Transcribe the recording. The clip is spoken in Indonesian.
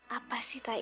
apa sih tai